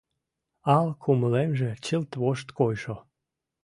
Ал кумылемже чылт вошткойшо.